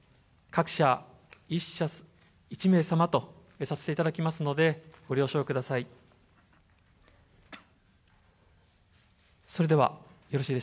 各社１名様とさせていただきますので、ご了承ください。